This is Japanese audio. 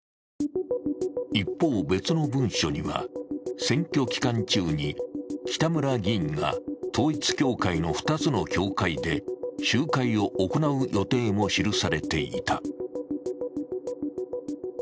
一方、別の文書には選挙期間中に北村議員が統一教会の２つの教会で集会を行う予定も記されていた。